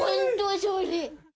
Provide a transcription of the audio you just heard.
それ。